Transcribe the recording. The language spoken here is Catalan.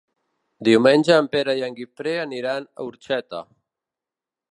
Diumenge en Pere i en Guifré aniran a Orxeta.